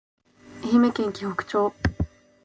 愛媛県鬼北町